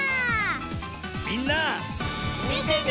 みんなみてね！